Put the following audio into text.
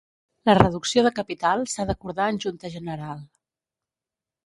La reducció de capital s'ha d'acordar en junta general.